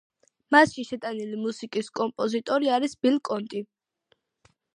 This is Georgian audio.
მასში შეტანილი მუსიკის კომპოზიტორი არის ბილ კონტი.